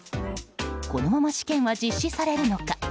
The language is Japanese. このまま試験は実施されるのか。